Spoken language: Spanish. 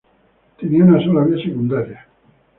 Tenía una sola vía secundaria.